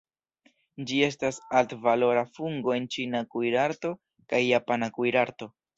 Ĝi estas altvalora fungo en ĉina kuirarto kaj japana kuirarto.